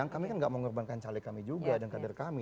yang kami kan gak mau mengorbankan caleg kami juga dan kadar kami